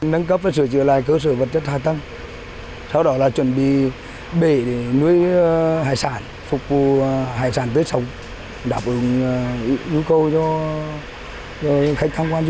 nâng cấp và sửa chữa lại cơ sở vật chất hạ tầng sau đó là chuẩn bị bể để nuôi hải sản phục vụ hải sản tuyết sống đáp ứng nhu cầu cho